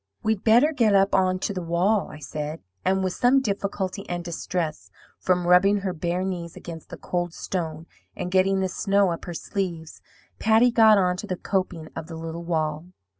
"'We'd better get up on to the wall,' I said; and with some difficulty and distress from rubbing her bare knees against the cold stone, and getting the snow up her sleeves, Patty got on to the coping of the little wall.